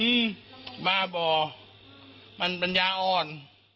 มันบ้าบ่อมันปัญญาอ่อน